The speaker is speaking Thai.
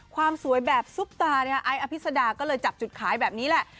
ความสวยแบบซุปตาเนี่ยไอ้อภิษดาก็เลยจับจุดขายแบบนี้แหละ